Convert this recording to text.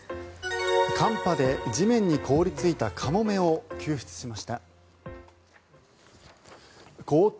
寒波で地面に凍りついたカモメを救出しました。